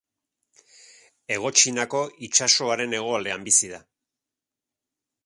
Hego Txinako itsasoaren hegoaldean bizi da.